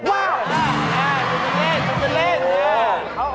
ว้าวถึงเล่นเห็นไหม